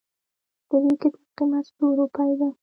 ددي کتاب قيمت څو روپئ ده